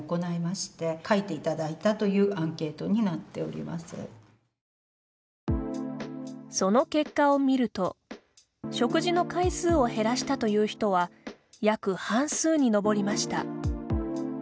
理事長の米山けい子さんその結果を見ると食事の回数を減らしたという人は約半数に上りました。